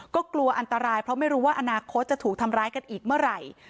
ก็กลัวอันตรายเพราะไม่รู้ว่าอนาคตจะถูกทำร้ายกันอีกเมื่อไหร่